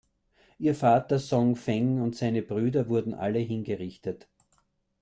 Ihr Vater Song Feng und seine Brüder wurden alle hingerichtet.